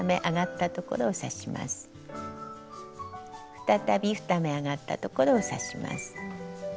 再び２目上がったところを刺します。